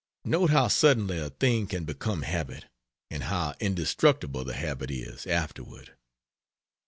Note how suddenly a thing can become habit, and how indestructible the habit is, afterward!